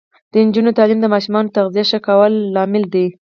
د نجونو تعلیم د ماشومانو تغذیه ښه کولو لامل دی.